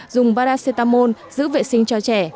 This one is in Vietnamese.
dùng paracetamol giữ vệ sinh cho trẻ